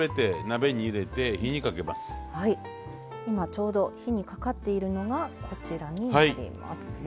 今ちょうど火にかかっているのがこちらになります。